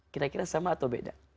kira kira sama atau beda